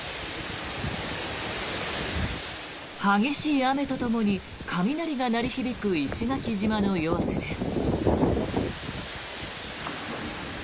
激しい雨とともに雷が鳴り響く石垣島の様子です。